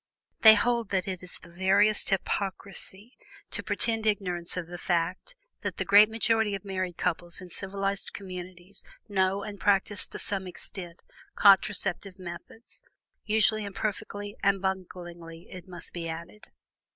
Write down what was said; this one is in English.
They hold that it is the veriest hypocrisy to pretend ignorance of the fact that the great majority of married couples in civilized communities know and practice to some extent contraceptive methods usually imperfectly and bunglingly, it must be added.